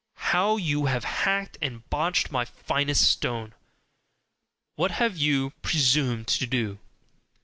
How you have hacked and botched my finest stone! What have you presumed to do!"